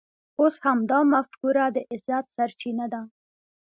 اوس همدا مفکوره د عزت سرچینه ده.